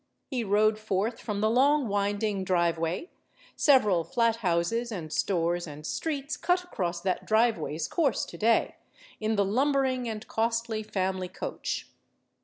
He rode forth from the long, winding driveway several flat houses and stores and streets cut across that driveway's course to day in the lumbering and costly family coach.